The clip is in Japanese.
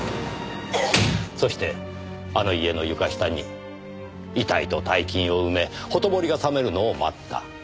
そしてあの家の床下に遺体と大金を埋めほとぼりが冷めるのを待った。